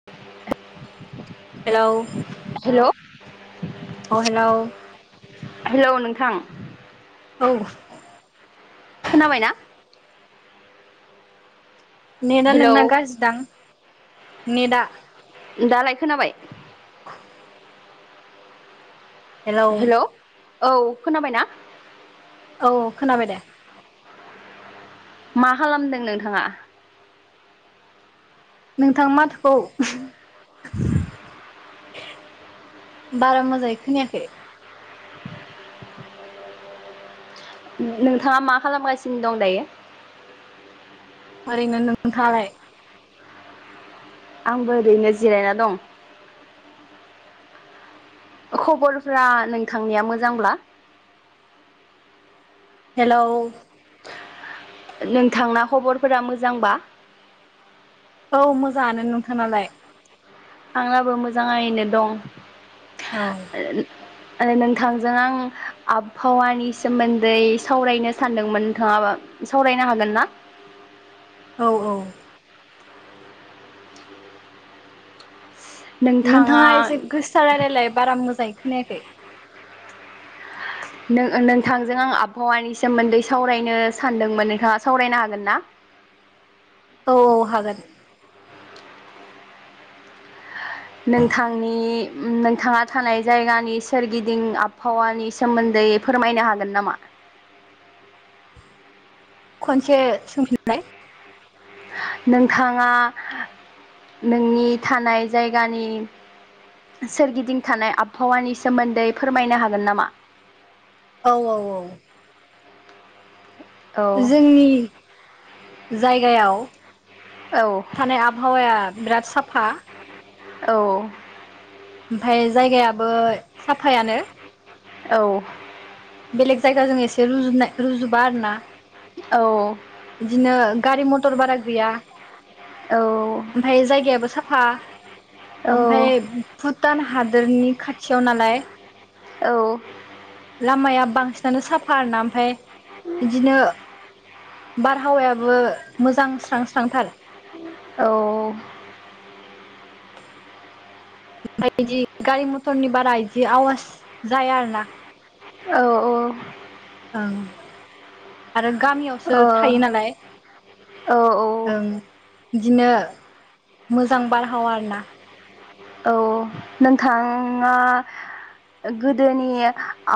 [inaudible] Hello hello अ hello. Hello नोंथां। औ। खोनाबायना? नेटा हेलौ नोंना गाज्रि दां नेटआ। दालाय खोनाबाय? हेलौ हेल' औ खोनाबायना? औ औ खोनाबाय दे। मा खालामदों नोंथाङा? नोंथां माथोखौ बारा मोजाङै खोनायाखै। नोंथाङा मा खालामगासिनो दं दायो? ओरैनो नोंथाङालाय? आंबो ओरैनो जिरायना दं। खबरफ्रा नोंथांनिया मोजांब्ला? हेलौ। नोंथांना खबरफोरा मोजांबा? औ मोजाङानो नोंथानालाय? आंनाबो मोजाङैनो दं। औ। [inaudible] आरो नोंथांजों आं आबहावानि सोमोन्दै सावरायनो सानदोंमोन नोंथाङाबो सावरायनो हागोन ना? औ औ। नोंथाङा एसे गोसा रायलायलाय बारा मोजाङै खोनायाखै। नो-नोंथांजों आं आबहावानि सोमोन्दै सावरायनो सानदोंमोन नोंथाङा सावरायनो हागोन ना? औ औ हागोन। नोंथांनि नोंथाङा थानाय जायगानि सोरगिदिं आबहावानि सोमोन्दै फोरमायनो हागोन नामा? खनसे सोंफिनलाय। नोंथाङा नोंनि थानाय जायगानि सोरगिदिं थानाय आबहावानि सोमोन्दै फोरमायनो हागोन नामा? औ औ औ। औ जोंनि जायगायाव औ। थानाय आबहावाया बिराद साफा औ ओमफ्राय जायगायाबो साफायानो औ बेलेग जायगाजों एसे रुजुनाय रुजुबा आरो ना औ बिदिनो गारि मथर बारा गैया औ ओमफ्राय जायगायाबो साफा औ फा ओमफ्राय भुटान हादोरनि खाथियाव नालाय। औ। लामाया बांसिनानो साफा आरोना ओमफाय इदिनो बारहावायाबो मोजां स्रां स्रांथार। औ। ओमफ्राय बिदि गारि मथरनि बारा बिदि आवास जाया आरो ना। औ। ओं आरो गामियावसो ओ थायो नालाय औ औ ओं बिदिनो मोजां बारहावा आरो ना औ नोंथाङा गोदोनि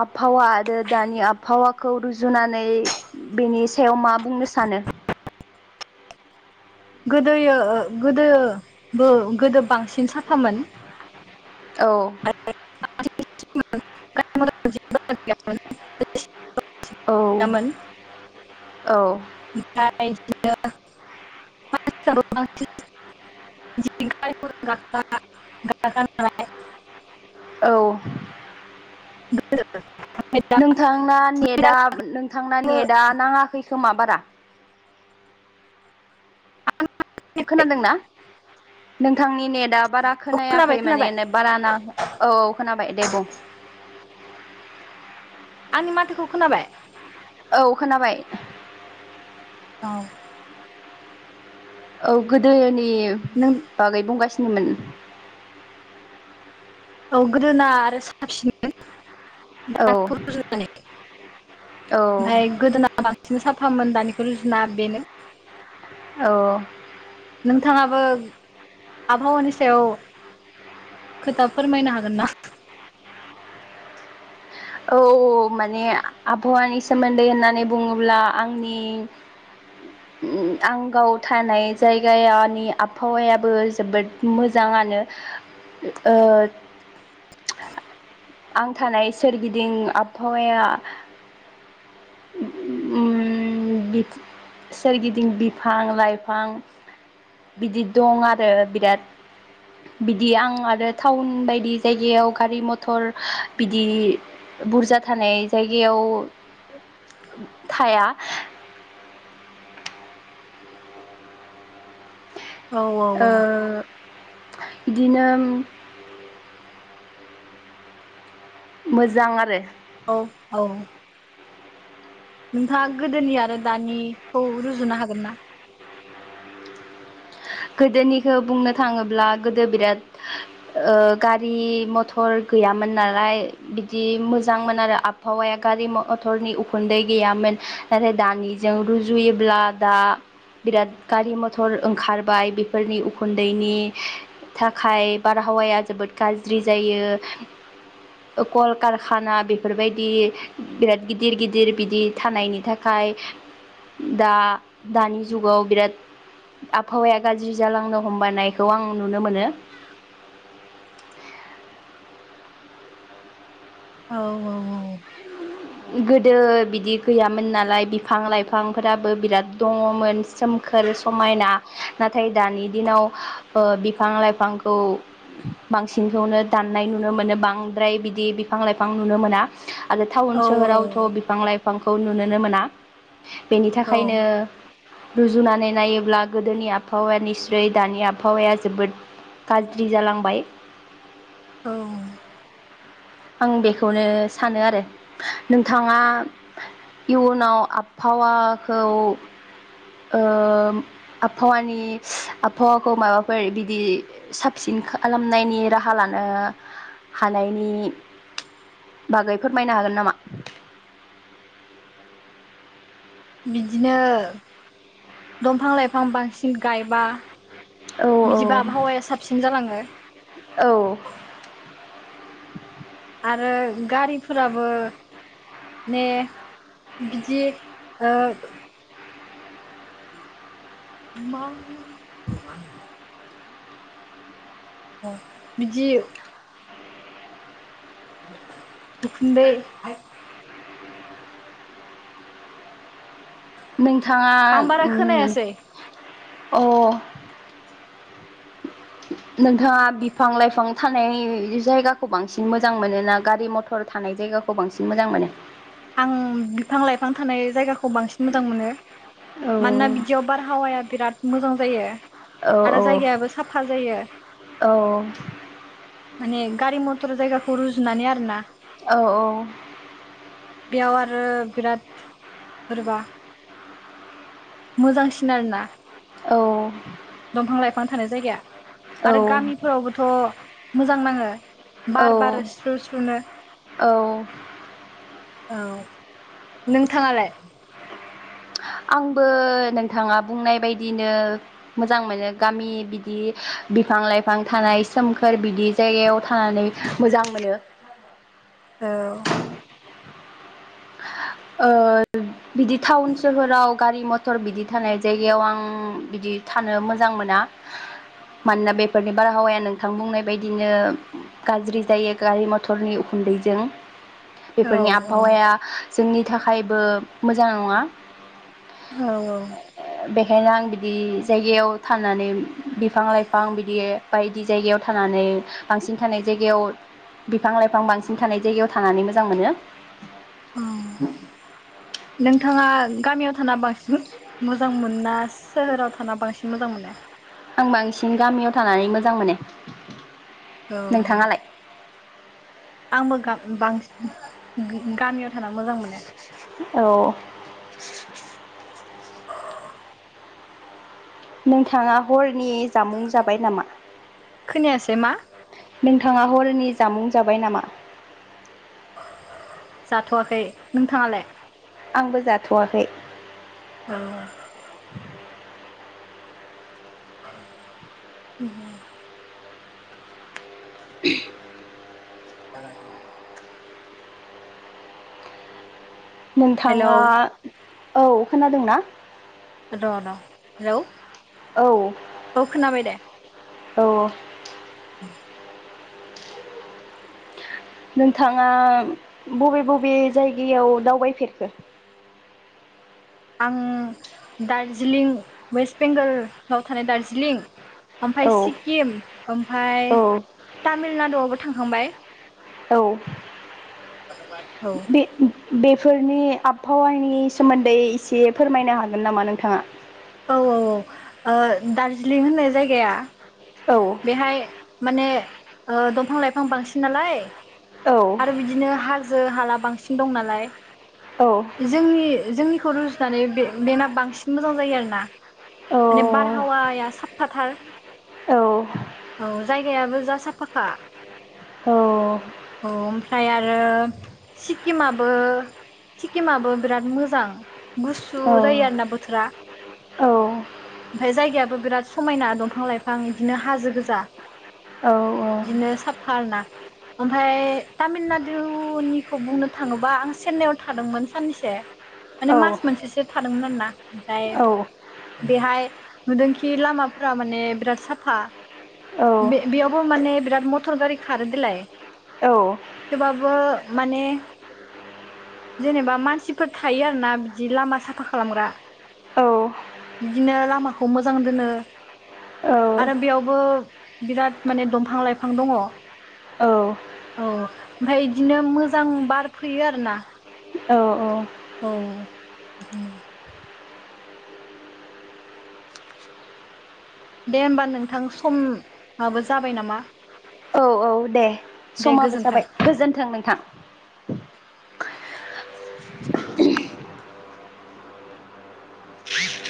आबहावा आरो दानि आबहावाखौ रुजुनानै बेनि सायाव मा बुंनो सानो गोदोयो ओ गोदोबो गोदो बांसिन साफामोन औ [unintelligible] औ [unintelligible] औ [unintelligible] [unintelligible] औ [unintelligible] नोंथांना नेटा नोंथांना नेटा नाङाखै खोमा बारा खोनादोंना नोंथांनि नेटा बारा खोनायाखै खोनाबाय माने बारा [unintelligible] औ औ खोनाबाय दे बुं आंनि माथोखौ खोनाबाय औ खोनाबाय औ औ गोदोनि नों बागै बुंगासिनोमोन औ गोदोना आरो [unintelligible] औ औ बांसिन साफामोन दानिखौ रुजुना बेनो औ नोंथाङाबो आबहावानि सायाव खोथा फोरमायनो हागोन ना औ माने आबहावानि सोमोन्दै होननानै बुङोब्ला आंनि आं गाव थानाय जायगानि आबहावायाबो जोबोद मोजाङानो ओ आं थानाय सोरगिदिं आबहावाया उम बि सोरगिदिं बिफां लाइफां बिदि दं आरो बिराद बिदि आं आरो टाउन बायदि जायगायाव गारि मथर बिदि बुरजा थानाय जायगायाव थाया औ औ ओ बिदिनो मोजां आरो औ औ नोंथाङा गोदोनि आरो दानिखौ रुजुनो हागोन ना गोदोनिखौ बुंनो थाङोब्ला गोदो बिराद गारि मथर गैयामोन नालाय बिदि मोजांमोन आरो आबहावाया आबहावाया गारि मथरनि उखुन्दै गैयामोन नाथाय दानिजों रुजुयोब्ला दा बिराद गारि मथर ओंखारबाय बेफोरनि उखुन्दैनि थाखाय बारहावाया जोबोद गाज्रि जायो ओ कलकारखाना बेफोरबायदि बिराद गिदिर गिदिर बिदि थानायनि थाखाय दा दानि जुगाव बिराद आबहावाया गाज्रि जालांनो हमबायनायखौ आं नुनो मोनो औ औ औ गोदो बिदि गैयामोन नालाय बिफां लाइफांफोराबो बिराद दङमोन सोमखोर समायना नाथाय दानि दिनाव बिफां लाइफांखौ बांसिनखौनो दान्नाय नुनो मोनो बांद्राय बिदि बिफां लाइफां नुनो मोना आरो थाव औ सोहोरावथ' औ बिफां लाइफांखौ नुनोनो मोना बेनि औ थाखायनो रुजुनानै नायोब्ला गोदोनि आबहावा निफ्राय‌ दानि आबहावाया जोबोद गाज्रि जालांबाय औ आं बेखौनो सानो आरो नोंथाङा इयुनाव आबहावाखौ आबहावानि आबहावाखौ माबाफोर बिदि साबसिन खालामनायनि राहा लानो हानायनि बाागै फोरमायनो हागोन नामा बिदिनो दंफां लाइफां बांसिन गायबा औ बिदिबा औ आबहावाया साबसिन जालाङो औ आरो गारिफोराबो ने बिदि मा अ बिदि उखुन्दै नोंथाङा आं बारा उम खोनायासै अ [inaudible] नोंथाङा बिफां लाइफां थानाय जायगाखौ बांसिन मोजां मोनोना गारि मथर थर थानाय जायगाखौ बांसिन मोजां मोनो आं बिफां लाइफां थानाय जायगाखौ बांसिन मोजां मोनो मानोना बिदियाव बारहावाया बिराद मोजां जायो औ आरो जायगायाबो साफा जायो औ माने गारि मथर जायगाखौ रुजुनानै आरो ना औ औ बेयाव आरो बिराद बोरबा मोजांसिन आरोना औ दंफां लाइफां थानाय जायगाया आरो औ गामिफोरावबोथ' मोजां नाङो औ बार बारो स्रु स्रुनो औ औ नोंथाङालाय आंबो नोंथाङा बुंनाय बायदिनो मोजां मोनो गामि बिदि बिफां लाइफां थानाय सोमखोर बिदि जायगायाव थनानै मोजां मोनो औ। ओ बिदि टाउन सोहोराव गारि मथ टर बिदि थानाय जायगायाव आं बिदि थानो मोजां मोना। मानोना बेफोरनि बारहावाया नोंथां बुंनाय बायदिनो गाज्रि जायो गारि मथरनि उखुन्दैजों। औ बेफोरनि औ आबहावाया जोंनि थाखायबो मोजां नङा औ औ बेखायनो आं बिदि जायगायाव थनानै बिफां लाइफां बिदि बायदि जायगायाव थानानै बांसिन थानाय जायगायाव बिफां लाइफां बांसिन थानाय जायगायाव थानानै मोजां मोनो औ नोंथाङा गामियाव थाना बांसिन मोजां मोना सोहोराव थाना बांसिन मोजां मोनो? आं बांसिन गामियाव थानानै मोजां मोनो। औ। नोंथाङालाय आंबो गाब बांसिन गामियाव थाना मोजां मोनो। औ। नोंथाङा हरनि जामुं जाबाय नामा? खोनायासै मा नोंथाङा हरनि जामुं जाबाय नामा? जाथ'वाखै नोंथाङालाय? आंबो जाथ'वाखै। औ। [inaudible] [inaudible] [unintelligible] हेलौ नोंथाङा औ खोनादों ना? र' र' हेलौ। औ औ औ खोनाबाय दे औ। [inaudible] नोंथाङा बबे बबे जायगायाव दावबायफेरखो? आं दार्जिलिं वेस्ट बेंगल लाव थानाय दार्जिलिं। ओमफाय औ सिक्किम ओमफ्राय औ तामिलनाडुआवबो थांखांबाय। औ औ बे बेफोरनि आबफावानि सोमोन्दै एसे फोरमायनो हागोन नामा नोंथाङा? औ औ औ दार्जिलिं होननाय जायगाया औ। बेहाय माने ओ दंफां लाइफां बांसिन नालाय। औ आरो बिदिनो हाजो हाला बांसिन दं नालाय। औ। जोंनि जोंनिखौ रुजुनानै बे बेना बांसिन मोजां जायो आरो ना। औ माने बारहावाया साफ फाथार औ जायगायाबो जा साफ्फाखा। औ। अ। औ ओमफ्राय आरो सिक्किमाबो सिक्किमाबो बिराद मोजां गुसु औ जायो आरोना बोथोरा। औ ओमफ्राय जायगायाबो बिराद समायना दंफां लाइफां बिदिनो हाजो गोजा। औ। बिदिनो साफ फार ना ओमफफ्राय तामिलनाडुनिखौ बुंनो थाङोबा आं चेन्नाइआव थादोंमोन साननैसो [inaudible] माने मास मोनसेसो थादोंमोन आरो ना ओमफ्राय बेहाय नुदोंखि लामाफोरा माने बिराद साफा बे बेयाव थ' माने बिराद मथर गारि खारो देलाय औ थेवबाबो माने जेनेबा मानसिफोर थायो आरो ना बिदि लामा साफा खालामग्रा। बिदिनो लामाखौ मोजां दोनो। आरो बेयावबो बिराद माने दंफां लाइफां दङ। औ। औ ओमफाय इदिनो मोजां बार फैयो आरो ना। औ औ। औ बिदिनो दे होमबा नोंथां समाबो जाबाय नामा औ औ दे दे समाबो गोजोन्थों जाबाय गोजोन्थों नोंथां [inaudible]